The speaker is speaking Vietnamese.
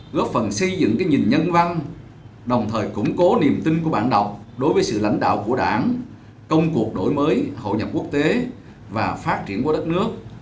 góp phần xây dựng cái nhìn nhân văn đồng thời củng cố niềm tin của bạn đọc đối với sự lãnh đạo của đảng công cuộc đổi mới hậu nhập quốc tế và phát triển của đất nước